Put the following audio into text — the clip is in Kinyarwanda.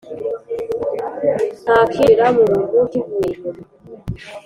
Ntakinjira mu muntu kivuye inyuma